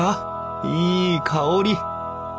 いい香り！